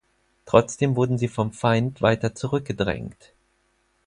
Trotzdem wurden sie vom Feind weiter zurückgedrängt.